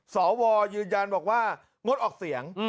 สวยืนยันบอกว่างดออกเสียง